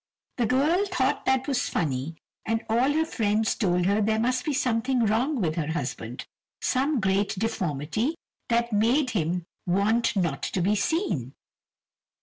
The girl thought that was funny, and all her friends told her there must be something wrong with her husband, some great deformity that made him want not to be seen.